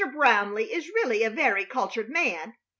Brownleigh is really a very cultured man.